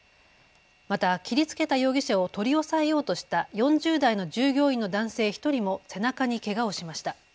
また切りつけた容疑者を取り押さえようとした４０代の従業員の男性１人も背中にけがをしました。